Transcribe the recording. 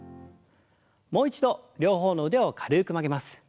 もう一度両方の腕を軽く曲げます。